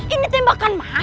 ini tembakan mahal